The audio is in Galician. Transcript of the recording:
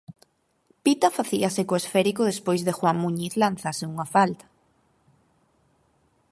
Pita facíase co esférico despois de Juan Muñiz lanzase unha falta.